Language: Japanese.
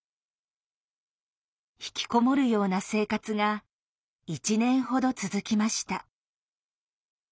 ひきこもるような生活が１年ほど続きました。